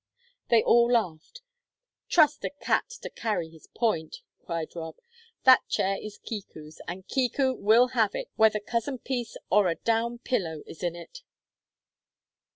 They all laughed. "Trust a cat to carry his point!" cried Rob. "That chair is Kiku's, and Kiku will have it, whether Cousin Peace or a down pillow is in it."